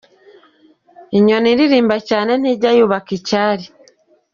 Inyoni irimba cyane ntijya yubaka icyari.